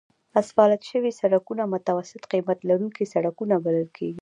اسفالت شوي سړکونه متوسط قیمت لرونکي سړکونه بلل کیږي